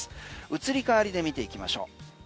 移り変わりで見ていきましょう。